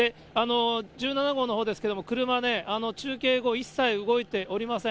１７号のほうですけれども、車ね、中継後、一切動いておりません。